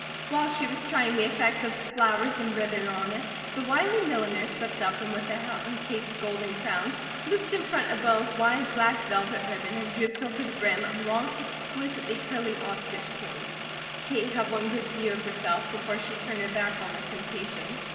While she was trying the effect of flowers and ribbon on it, the wily milliner slipped up and with the hat on Kate's golden crown, looped in front a bow of wide black velvet ribbon and drooped over the brim a long, exquisitely curling ostrich plume. Kate had one good view of herself, before she turned her back on the temptation.